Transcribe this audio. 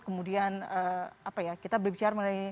kemudian kita berbicara